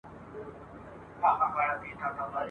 دې ښکاري ته رسېدلی یو کمال وو !.